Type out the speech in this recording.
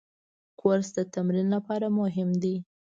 کورس د تمرین لپاره مهم دی.